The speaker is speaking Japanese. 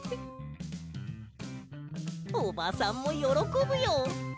おばさんもよろこぶよ！